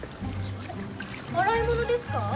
洗い物ですか？